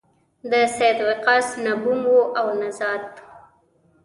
د سعد وقاص نه بوم و او نه زاد.